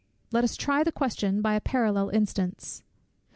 Let us try the question by a parallel instance.